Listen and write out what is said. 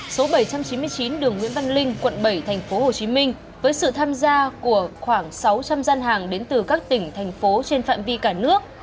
số bảy trăm chín mươi chín đường nguyễn văn linh quận bảy tp hcm với sự tham gia của khoảng sáu trăm linh gian hàng đến từ các tỉnh thành phố trên phạm vi cả nước